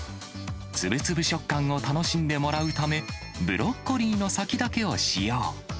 つぶつぶ食感を楽しんでもらうため、ブロッコリーの先だけを使用。